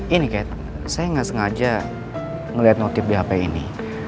ini kat saya gak sengaja ngeliat notif di hp ini